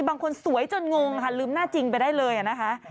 บางคนสวยจนงงค่ะลืมหน้าจริงไปได้เลยนะคะ